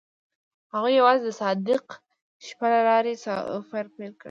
هغوی یوځای د صادق شپه له لارې سفر پیل کړ.